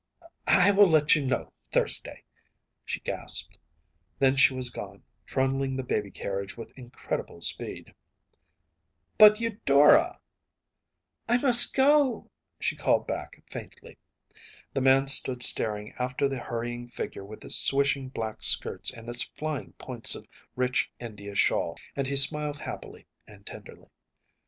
“I will let you know Thursday,‚ÄĚ she gasped. Then she was gone, trundling the baby carriage with incredible speed. “But, Eudora ‚ÄĚ “I must go,‚ÄĚ she called back, faintly. The man stood staring after the hurrying figure with its swishing black skirts and its flying points of rich India shawl, and he smiled happily and tenderly.